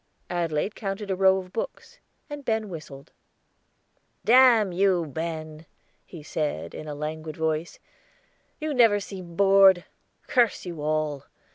Adelaide counted a row of books, and Ben whistled. "Damn you, Ben," he said, in a languid voice: "you never seem bored. Curse you all.